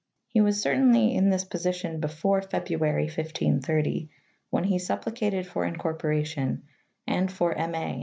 He was certainly in this position before^ February 1530, when he supplicated for incorporation and for M. A.